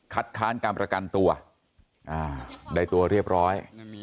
คัดค้านกรรมรากันตัวอ่าได้ตัวเรียบร้อย